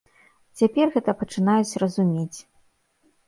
Цяпер гэта пачынаюць разумець.